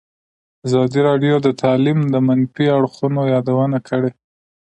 ازادي راډیو د تعلیم د منفي اړخونو یادونه کړې.